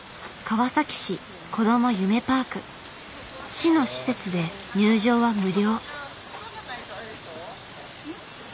市の施設で入場は無料。